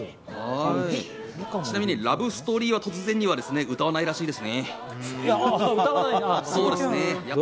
ちなみに『ラブストーリーは突然に』は歌わないみたいですね。